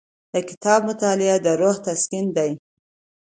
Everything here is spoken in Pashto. د کتاب مطالعه د روح تسکین دی.